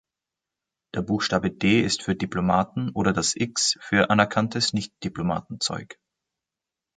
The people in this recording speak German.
Der Buchstabe D ist für Diplomaten oder das X für anerkanntes nicht-diplomaten Zeug.